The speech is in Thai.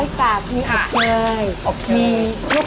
สวัสดีครับสวัสดีครับ